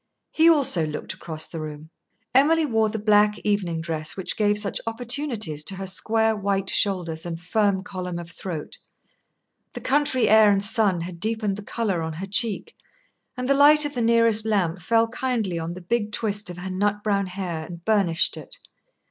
He also looked across the room. Emily wore the black evening dress which gave such opportunities to her square white shoulders and firm column of throat; the country air and sun had deepened the colour on her cheek, and the light of the nearest lamp fell kindly on the big twist of her nut brown hair, and burnished it.